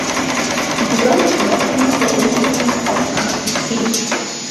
Die Gesamtwertung beendete sie auf Rang zehn.